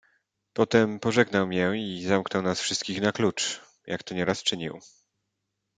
"Potem pożegnał mię i zamknął nas wszystkich na klucz, jak to nieraz czynił."